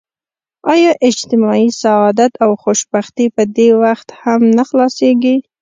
اما اجتماعي سعادت او خوشبختي په دې وخت هم نه حلاصیږي.